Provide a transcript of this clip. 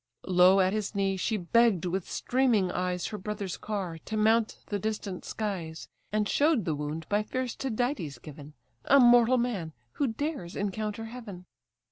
Low at his knee, she begg'd with streaming eyes Her brother's car, to mount the distant skies, And show'd the wound by fierce Tydides given, A mortal man, who dares encounter heaven.